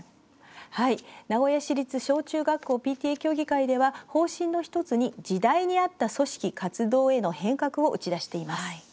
名古屋市立小中学校ＰＴＡ協議会では方針の１つに時代にあった組織・活動への変革を打ち出しています。